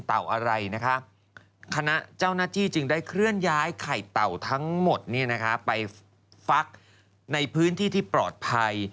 มันย้ายไข่เตาทั้งหมดไปฟักในพื้นที่ที่ปลอดภัย